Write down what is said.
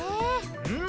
うん！